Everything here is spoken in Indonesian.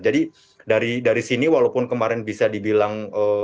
jadi dari sini walaupun kemarin bisa dibilang